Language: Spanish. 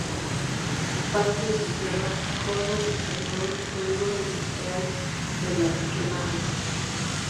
Parte de sus tierras forman hoy el Polígono Industrial de las Quemadas.